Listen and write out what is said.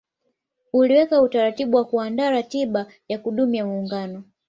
Uliwekwa utaratibu wa kuandaa katiba ya kudumu ya muungano